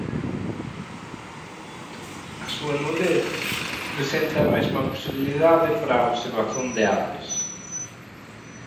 A súa nudez presenta a mesma posibilidade para a observación de aves.